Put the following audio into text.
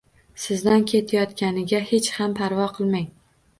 Sizdan ketayotganiga hech ham parvo qilmang